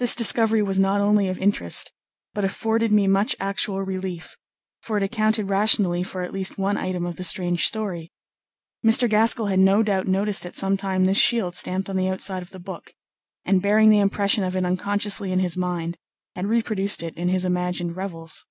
This discovery was not only of interest, but afforded me much actual relief; for it accounted rationally for at least one item of the strange story. Mr. Gaskell had no doubt noticed at some time this shield stamped on the outside of the book, and bearing the impression of it unconsciously in his mind, had reproduced it in his imagined revels.